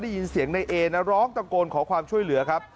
ได้ยินเสียงในเอนะร้องตะโกนขอความช่วยเหลือครับ